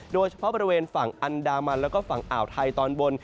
โดยเฉพาะบริเวณฝั่งอันดามันแล้วก็ฝั่งอ่าวไทยตอนบน